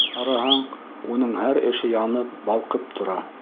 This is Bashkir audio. Ҡараһаң, уның һәр эше янып, балҡып тора.